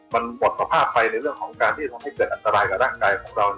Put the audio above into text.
มันหมดสภาพไปในเรื่องของการที่จะทำให้เกิดอันตรายกับร่างกายของเรา